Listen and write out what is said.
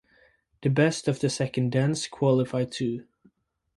The best of the second dance qualify too.